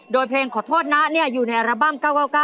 โดยเพลงขอโทษนะอยู่ในอัลบั้ม๙๙๙